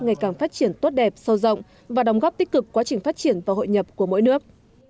ngày càng phát triển tốt đẹp sâu rộng và đóng góp tích cực quá trình phát triển và hội nhập của mỗi nước